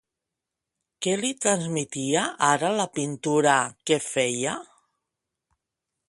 Què li transmetia ara la pintura que feia?